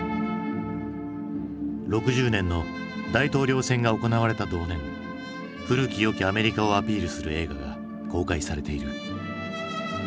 ６０年の大統領選が行われた同年古き良きアメリカをアピールする映画が公開されている。